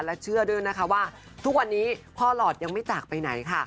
และเชื่อด้วยนะคะว่าทุกวันนี้พ่อหลอดยังไม่จากไปไหนค่ะ